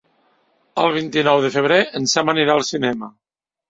El vint-i-nou de febrer en Sam anirà al cinema.